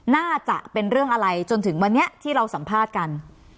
น่าจะเป็นเรื่องอะไรจนถึงวันนี้ที่เราสัมภาษณ์กัน